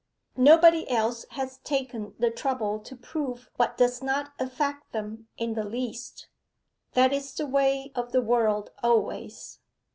Nobody else has taken the trouble to prove what does not affect them in the least that's the way of the world always.